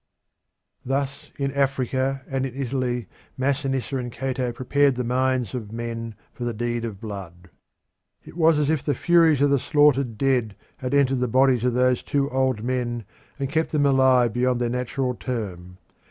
Thus in Africa and in Italy Masinissa and Cato prepared the minds of men for the deed of blood. It was as if the Furies of the slaughtered dead had entered the bodies of those two old men and kept them alive beyond their natural term.